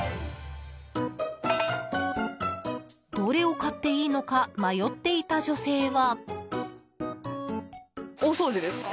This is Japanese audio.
どれを買っていいのか迷っていた女性は。